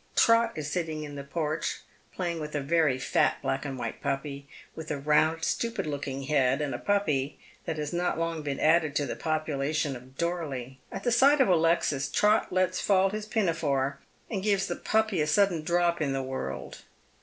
Trot is sitting in the porch playing with a very fat black and white puppy with a round stupid looking head, a puppy that has not long been added to the population of Dorley. At the si^ht of Alexia, Trot lets fall his pinafore, and gives tha 272 t>ead Men's Shoes. puppy a sudden drop in the world.